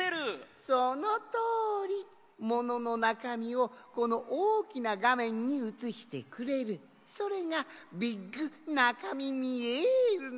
そのとおり！もののなかみをこのおおきながめんにうつしてくれるそれがビッグナカミミエルなんじゃ。